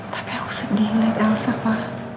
tapi aku sedih liat elsa pa